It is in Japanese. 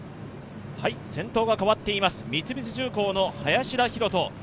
先頭が変わっています、三菱重工の林田洋翔。